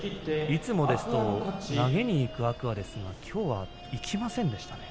いつもですと投げにいく天空海ですがきょうはいきませんでしたね。